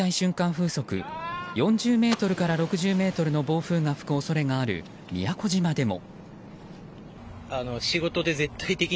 風速４０メートルから６０メートルの暴風が吹く恐れがある宮古島でも。